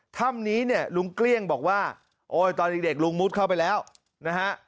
ถ้ำนี้เนี่ยลุงเกลี้ยงบอกว่าโอ้ยตอนเด็กลุงมุดเข้าไปแล้วนะฮะ